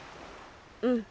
うん。